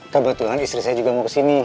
kebetulan istri saya juga mau kesini